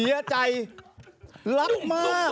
อีบ่า